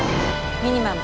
ミニマム。